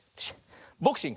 ボクシング